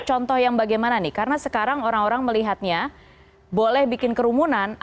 contoh yang bagaimana nih karena sekarang orang orang melihatnya boleh bikin kerumunan